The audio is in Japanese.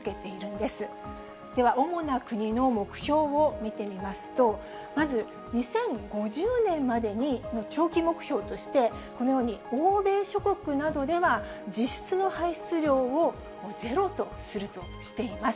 では、主な国の目標を見てみますと、まず２０５０年までに長期目標としてこのように欧米諸国などでは、実質の排出量をゼロとするとしています。